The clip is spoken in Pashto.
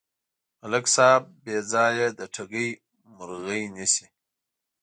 ملک صاحب بېځایه د ټګۍ مرغۍ نیسي.